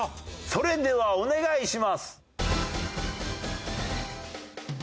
それではお願いします。